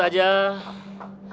tidak ini sih